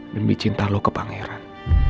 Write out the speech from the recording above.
demi cinta lo ke pangeran